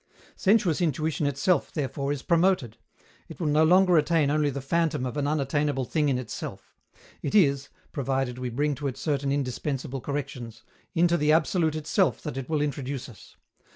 Sensuous intuition itself, therefore, is promoted. It will no longer attain only the phantom of an unattainable thing in itself. It is (provided we bring to it certain indispensable corrections) into the absolute itself that it will introduce us.